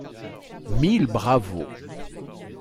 Mille bravos.